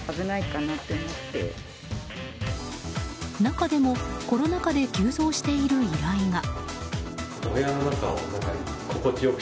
中でも、コロナ禍で急増している依頼が。